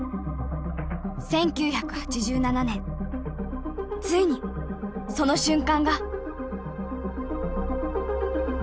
１９８７年ついにその瞬間が。